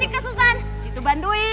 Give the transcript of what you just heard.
sini kesusahan situ bantuin